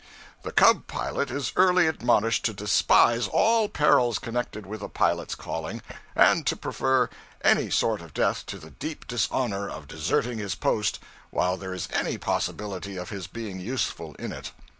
The 'cub' pilot is early admonished to despise all perils connected with a pilot's calling, and to prefer any sort of death to the deep dishonor of deserting his post while there is any possibility of his being useful in it.